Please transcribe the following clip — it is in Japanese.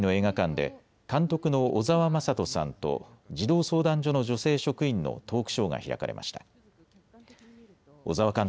昨夜は東京都内の映画館で監督の小澤雅人さんと児童相談所の女性職員のトークショーが開かれました。